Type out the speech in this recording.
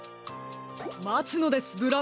まつのですブラウン！